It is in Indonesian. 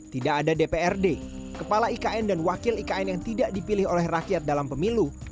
tidak ada dprd kepala ikn dan wakil ikn yang tidak dipilih oleh rakyat dalam pemilu